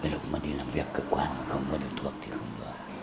lúc mà đi làm việc cơ quan mà không có được thuốc thì không được